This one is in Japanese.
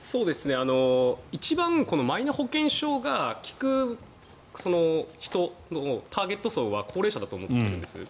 一番マイナ保険証が効く人のターゲット層は高齢者だと思っているんです。